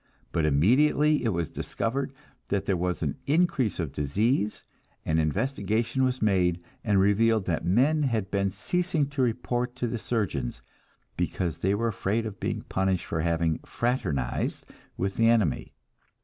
But immediately it was discovered that there was an increase of disease, and investigation was made, and revealed that men had been ceasing to report to the surgeons, because they were afraid of being punished for having "fraternized with the enemy."